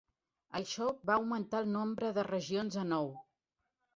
Això va augmentar el nombre de regions a nou.